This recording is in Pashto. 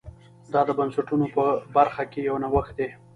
دا د بنسټونو په برخه کې یو نوښت دی.